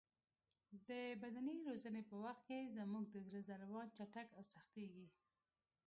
د بدني روزنې په وخت کې زموږ د زړه ضربان چټک او سختېږي.